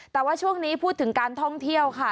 แต่ว่าช่วงนี้พูดถึงการท่องเที่ยวค่ะ